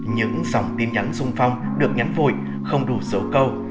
những dòng tin nhắn sùng phong được nhắn vội không đủ số câu